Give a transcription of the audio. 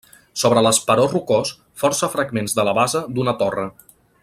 Sobre l'esperó rocós, força fragments de la base d'una torre.